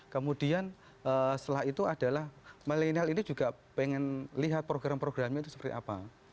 kemudian setelah itu adalah milenial ini juga pengen lihat program programnya itu seperti apa